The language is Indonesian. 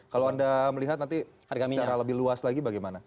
kalau anda melihat nanti secara lebih luas lagi bagaimana